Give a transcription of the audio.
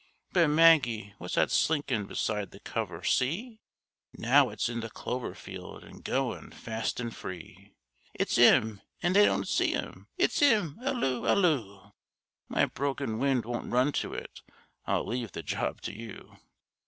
But, Maggie, what's that slinkin' beside the cover?—See! Now it's in the clover field, and goin' fast an' free, It's 'im, and they don't see 'im. It's 'im! 'Alloo! 'Alloo! My broken wind won't run to it—I'll leave the job to you.